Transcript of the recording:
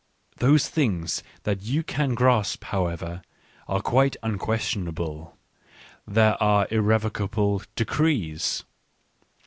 Those things that you can grasp, however, are quite unquestionable ; they are irrevocable decrees.